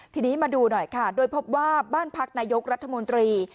ทีนี้มาดูหน่อยค่ะโดยพบว่าบ้านพักนายกรัฐมนตรี